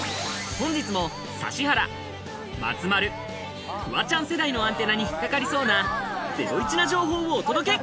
本日も指原、松丸、フワちゃん世代のアンテナに引っ掛かりそうなゼロイチな情報をお届け！